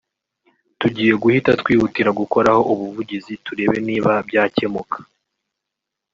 tugiye guhita twihutira gukoraho ubuvugizi turebe niba byakemuka